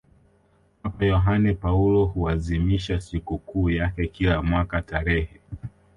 papa yohane paulo huazimisha sikukuu yake kila mwaka tarehe